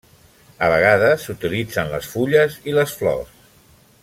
A vegades, s'utilitzen les fulles i les flors.